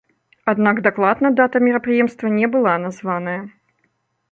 Аднак дакладная дата мерапрыемства не была названая.